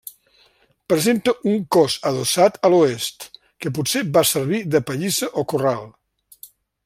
Presenta un cos adossat a l'oest, que potser va servir de pallissa o corral.